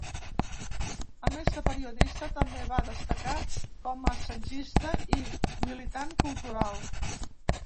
A més de periodista, també va destacar com a assagista i militant cultural.